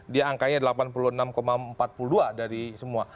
dia angkanya delapan puluh enam empat puluh dua dari semua